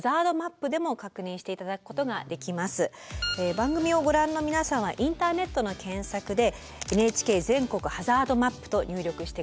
番組をご覧の皆さんはインターネットの検索で「ＮＨＫ全国ハザードマップ」と入力して下さい。